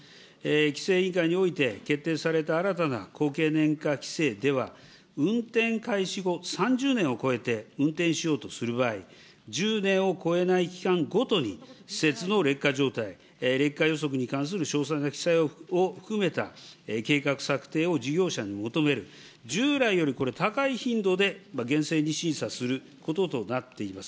規制委員会において、決定された新たな高経年化規制では、運転開始後３０年を超えて運転しようとする場合、１０年を超えない期間ごとに施設の劣化状態、劣化予測に関する詳細な記載を含めた、計画策定を事業者に求める、従来よりこれ、高い頻度で厳正に審査することとなっています。